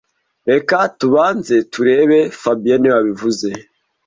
Reka tubanze turebe fabien niwe wabivuze